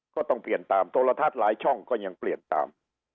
ก็ต้องเปลี่ยนตามโทรทัศน์หลายช่องก็ยังเปลี่ยนตาม